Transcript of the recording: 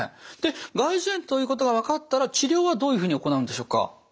外耳炎ということが分かったら治療はどういうふうに行うんでしょうか？